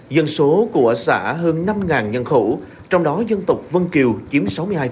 dân số của xã hơn năm nhân khẩu trong đó dân tộc vân kiều chiếm sáu mươi hai